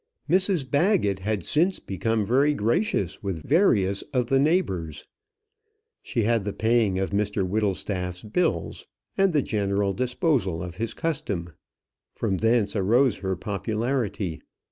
Mrs Baggett had since become very gracious with various of the neighbours. She had the paying of Mr Whittlestaff's bills, and the general disposal of his custom. From thence arose her popularity.